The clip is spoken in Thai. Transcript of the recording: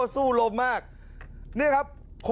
สู่รงพยาบาลมาก